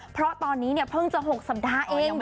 เพราะตอนนี้เนี่ยเพิ่งจะ๖สัปดาห์เอง